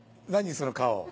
その顔。